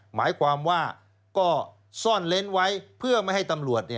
หมายความว่าก็ซ่อนเล้นไว้เพื่อไม่ให้ตำรวจ